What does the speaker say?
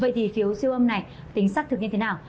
vậy thì phiếu siêu âm này tính xác thực như thế nào